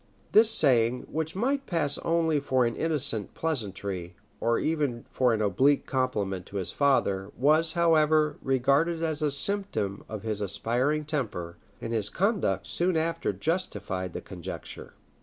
This saying, which might pass only for an innocent pleasantry, or even for an oblique compliment to his father, was, however, regarded as a symptom of his aspiring temper; and his conduct soon after justified the conjecture.